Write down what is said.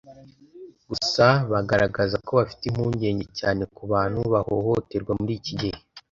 Gusa bagaragaza ko bafite impungenge cyane kubantu bahohoterwa muri iki gihe